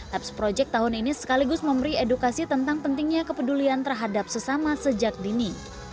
laps project tahun ini sekaligus memberi edukasi tentang pentingnya kepedulian terhadap sesama sejak dini